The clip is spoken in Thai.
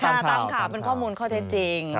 ตามข่าวเป็นข้อมูลข้อเท็จจริง